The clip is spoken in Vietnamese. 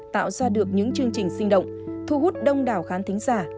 tạo ra được những chương trình sinh động thu hút đông đảo khán thính giả